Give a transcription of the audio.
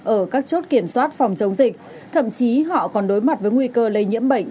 ở các chốt kiểm soát phòng chống dịch thậm chí họ còn đối mặt với nguy cơ lây nhiễm bệnh